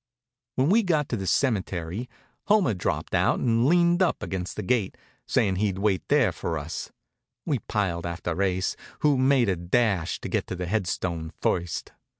When we got to the cemetery Homer dropped out and leaned up against the gate, sayin' he'd wait there for us. We piled after Ase, who'd made a dash to get to the headstone first.